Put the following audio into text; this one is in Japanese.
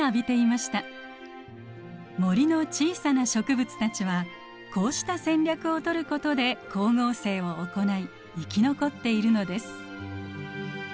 森の小さな植物たちはこうした戦略をとることで光合成を行い生き残っているのです。